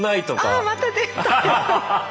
ああまた出たよ。